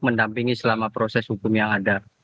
mendampingi selama proses hukum yang ada